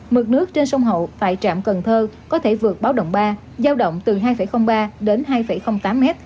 mực nước trên sông hậu tại trạm cần thơ có thể vượt báo động ba giao động từ hai ba m đến hai tám m